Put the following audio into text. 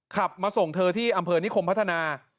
ขับมาส่งเธอที่อำเภอนิคมพัฒนา